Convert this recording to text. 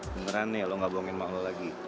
beneran ya lu gak bohongin sama lu lagi